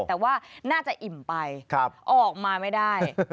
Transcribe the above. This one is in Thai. แต่ว่าน่าจะอิ่มไปออกมาไม่ได้